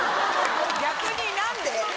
逆に何で？